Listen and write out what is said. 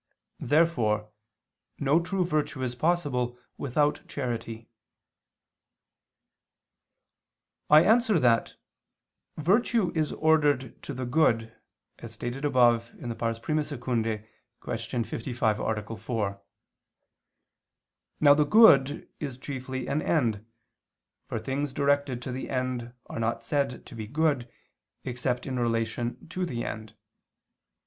Therefore no true virtue is possible without charity. I answer that, Virtue is ordered to the good, as stated above (I II, Q. 55, A. 4). Now the good is chiefly an end, for things directed to the end are not said to be good except in relation to the end.